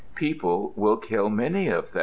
People will kill many of them."